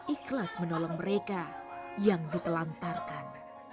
ikhlas menolong mereka yang ditelantarkan